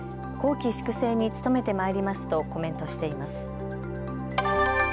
綱紀粛正に努めてまいりますとコメントしています。